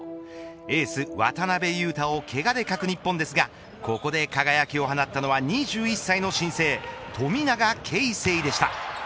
エース渡邊雄太をけがで欠く日本ですがここで輝きを放ったのは２１歳の新星富永啓生でした。